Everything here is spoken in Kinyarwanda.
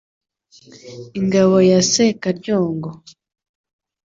Ingabo ya Sekaryongo !